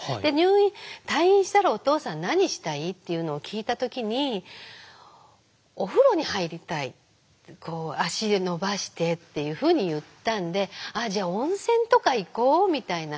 「退院したらお父さん何したい？」っていうのを聞いた時に「お風呂に入りたい。足伸ばして」っていうふうに言ったんで「じゃあ温泉とか行こう」みたいな。